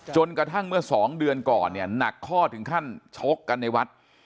จนกระทั่งเมื่อ๒เดือนก่อนเนี่ยหนักข้อถึงขั้นชกกันในวัด